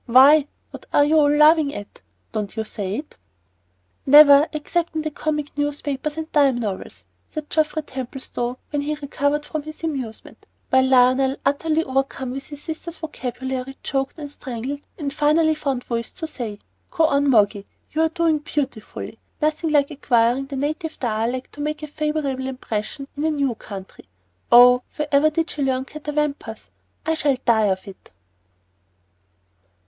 Why, what are you all laughing at? Don't you say it?" "Never, except in the comic newspapers and dime novels," said Geoffrey Templestowe when he recovered from his amusement, while Lionel, utterly overcome with his sister's vocabulary, choked and strangled, and finally found voice to say, "Go on, Moggy. You're doing beautifully. Nothing like acquiring the native dialect to make a favorable impression in a new country. Oh, wherever did she learn 'catawampus'? I shall die of it."